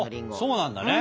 そうなんだね！